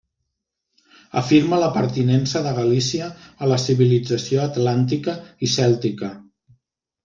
Afirma la pertinença de Galícia a la civilització atlàntica i cèltica.